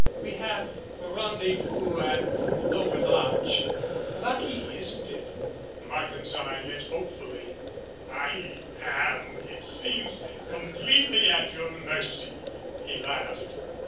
We have rendez vous at the lower lodge. Lucky, isn't it?" Markham's eye lit hopefully. "I am, it seems, completely at your mercy," he laughed.